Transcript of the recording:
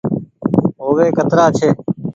هوئي ڪترآ ڇي۔